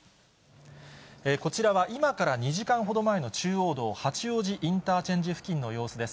こちらは今から２時間ほど前の中央道八王子インターチェンジ付近の様子です。